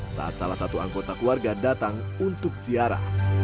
saat salah satu anggota keluarga datang untuk siara